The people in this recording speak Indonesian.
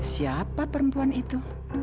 siapa perempuan itu